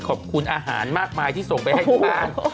ขอบคุณอาหารมากมายที่ส่งไปให้ทุกร้าน